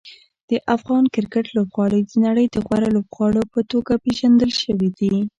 د افغان کرکټ لوبغاړي د نړۍ د غوره لوبغاړو په توګه پېژندل شوي دي.